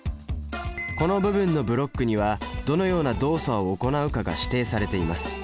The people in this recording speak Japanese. この部分のブロックにはどのような動作を行うかが指定されています。